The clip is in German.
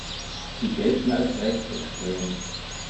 Sie gelten als rechtsextrem.